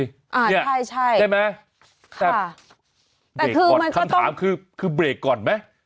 นี่ใช่ใช่ไหมแปปคำถามคือเบรกก่อนไหม